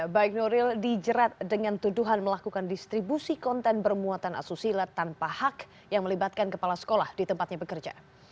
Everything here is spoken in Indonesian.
baik nuril dijerat dengan tuduhan melakukan distribusi konten bermuatan asusila tanpa hak yang melibatkan kepala sekolah di tempatnya bekerja